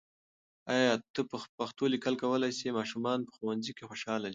آیا ته په پښتو لیکل کولای سې؟ ماشومان په ښوونځي کې خوشاله دي.